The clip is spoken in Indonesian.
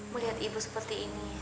melihat ibu seperti ini